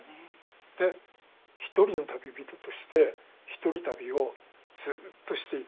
で一人の旅人として１人旅をずっとしていく。